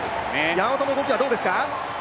山本の動きはどうですか？